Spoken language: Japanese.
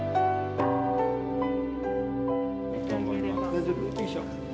大丈夫？よいしょ。